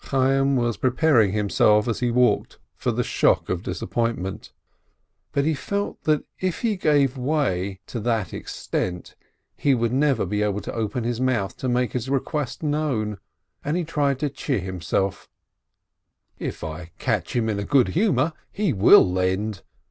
Chay yim was preparing himself as he walked for the shock of disappointment; but he felt that if he gave way to 392 RAISIN that extent, he would never be able to open his mouth to make his request known, and he tried to cheer him self: "If I catch him in a good humor, he will lend